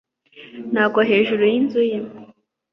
Nagwa hejuru yinzu ye